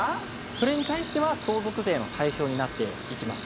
それに対しては相続税の対象になっていきます。